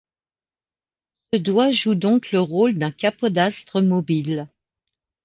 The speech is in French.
Ce doigt joue donc le rôle d'un capodastre mobile.